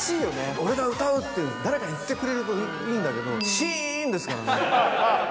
俺が歌うって、誰か言ってくれるといいんだけど、シーンですからね。